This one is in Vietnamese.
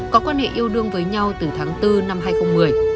có quan hệ yêu đương với nhau từ tháng bốn năm hai nghìn một mươi